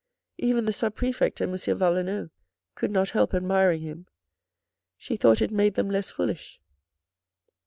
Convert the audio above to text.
Even the sub prefect and M. Valenod could not help admiring him. She thought it made them less foolish.